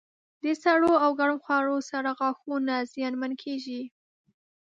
د سړو او ګرم خوړو سره غاښونه زیانمنېږي.